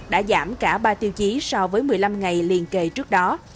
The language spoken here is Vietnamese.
đã giảm cả ba tiêu chí so với một mươi năm ngày liên kề trước đó